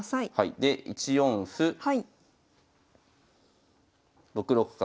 で１四歩６六角。